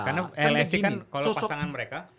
karena lsi kan kalau pasangan mereka